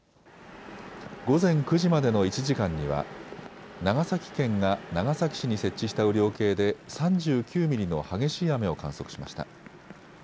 午前９時までの１時間には長崎県が長崎市に設置した雨量計で３９ミリの激しい雨を観測しました。